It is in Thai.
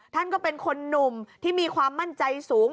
ท่านก็เป็นคนหนุ่มที่มีความมั่นใจสูง